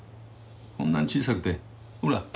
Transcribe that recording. こんなに小さくてほら。